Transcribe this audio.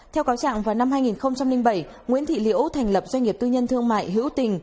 theo cáo trạng vào năm hai nghìn bảy nguyễn thị liễu thành lập doanh nghiệp tư nhân thương mại hữu tình